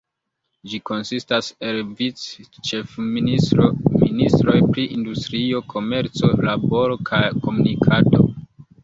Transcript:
Ĝi konsistas el vic-ĉefministro, ministroj pri industrio, komerco, laboro kaj komunikado.